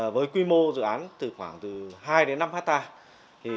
với quy mô dự án từ khoảng từ hai đến năm hectare